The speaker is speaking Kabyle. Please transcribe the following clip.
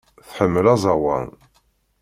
Tḥemmel aẓawan.